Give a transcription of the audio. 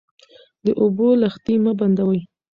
د اوبو لښتې مه بندوئ.